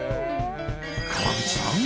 川口さん